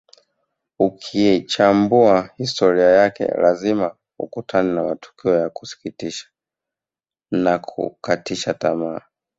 Ukiichambua historia yake lazima ukutane na matukio ya kusikitisha na kukatisha tamaa